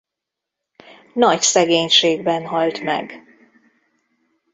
Nagy szegénységben halt meg.